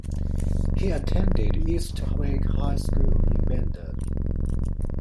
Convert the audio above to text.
He attended East Wake High School in Wendell.